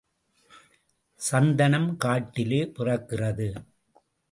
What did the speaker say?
சந்தனம் காட்டிலே பிறக்கிறது.